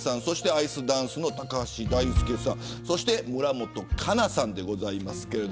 アイスダンスの高橋大輔さんそして村本哉中さんですけど。